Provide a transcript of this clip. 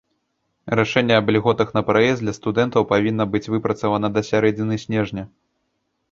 Рашэнне аб ільготах на праезд для студэнтаў павінна быць выпрацавана да сярэдзіны снежня.